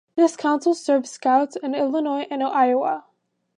This council serves Scouts in Illinois and Iowa.